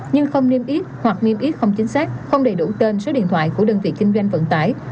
nhưng không niêm yết hoặc niêm yết không chính xác không đầy đủ tên số điện thoại của đơn vị kinh doanh vận tải